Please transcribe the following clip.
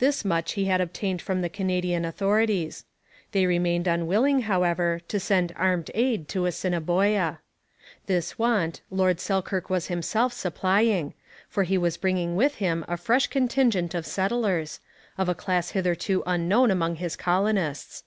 This much he had obtained from the Canadian authorities. They remained unwilling, however, to send armed aid to Assiniboia. This want Lord Selkirk was himself supplying, for he was bringing with him a fresh contingent of settlers of a class hitherto unknown among his colonists.